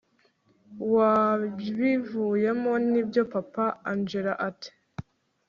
wabivuyemo nibyo papa angella ati